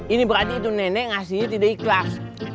ini berarti itu nenek ngasihnya tidak ikhlas